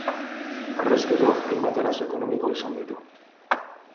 Harrezkero hainbat arazo ekonomiko izan ditu.